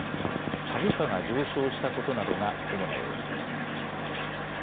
株価が上昇したことなどが主な要因です。